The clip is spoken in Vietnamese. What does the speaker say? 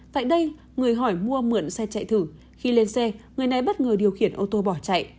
tại đây người hỏi mua mượn xe chạy thử khi lên xe người này bất ngờ điều khiển ô tô bỏ chạy